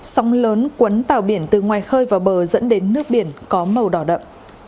sóng lớn quấn tàu biển từ ngoài khơi vào bờ dẫn đến nước biển có màu đỏ đậm